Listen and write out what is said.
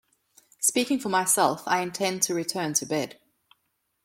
Speaking for myself, I intend to return to bed.